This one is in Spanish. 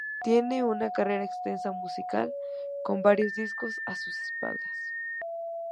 Tiene una extensa carrera musical con varios discos a sus espaldas.